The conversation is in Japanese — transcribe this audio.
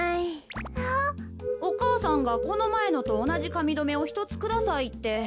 お母さんがこのまえのとおなじかみどめをひとつくださいって。